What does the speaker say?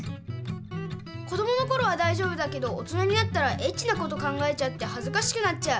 子どものころはだいじょうぶだけど大人になったらエッチなこと考えちゃってはずかしくなっちゃう。